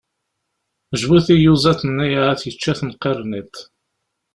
Jbut i iyuzaḍ-nni, ahat yečča-ten qirniṭ!